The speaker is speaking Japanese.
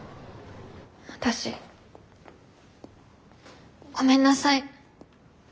私ごめんなさい。